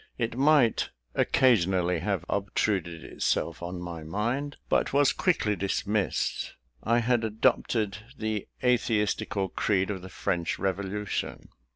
It might occasionally have obtruded itself on my mind, but was quickly dismissed: I had adopted the atheistical creed of the French Revolution.